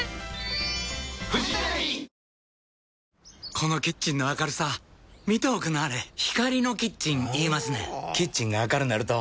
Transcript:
このキッチンの明るさ見ておくんなはれ光のキッチン言いますねんほぉキッチンが明るなると・・・